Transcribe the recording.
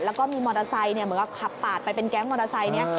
แล้วก็มีมอเตอร์ไซค์เหมือนกับขับปาดไปเป็นแก๊งมอเตอร์ไซค์นี้